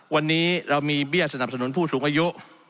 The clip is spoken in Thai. วันนี้เรามีเบี้ยสนับสนุนผู้สูงอายุ